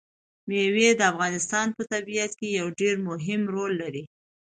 مېوې د افغانستان په طبیعت کې یو ډېر مهم رول لري.